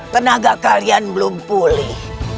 tenaga kalian belum pulih